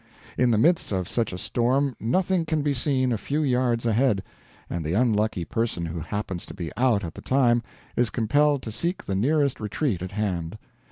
In the midst of such a storm nothing can be seen a few yards ahead, and the unlucky person who happens to be out at the time is compelled to seek the nearest retreat at hand.